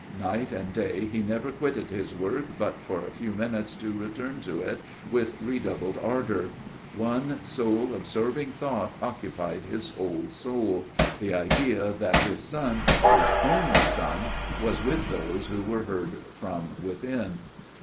Night and day he never quitted his work but for a few minutes to return to it with redoubled ardor; one sole, absorbing thought occupied his whole soul; the idea that his son, his only son, was with those who were heard from within.